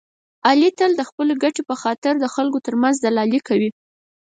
علي تل د خپلې ګټې په خاطر د خلکو ترمنځ دلالي کوي.